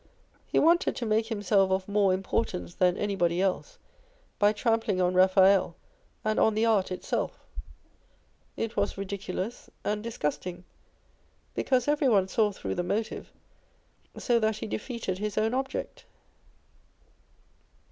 He wanted to make himself of more importance than anybody else, by trampling on Raphael and on the art itself. It was ridiculous and disgusting, because every one saw through the motive ; so that he defeated his own object.